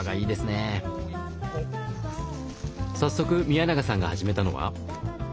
早速宮永さんが始めたのは？